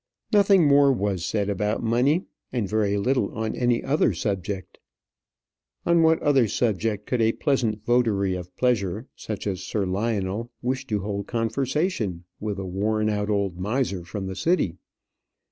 Nothing more was said about money, and very little on any other subject. On what other subject could a pleasant votary of pleasure, such as Sir Lionel, wish to hold conversation with a worn out old miser from the city?